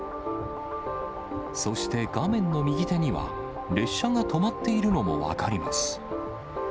そして画面の右手には、列車が止まっているのも分かります。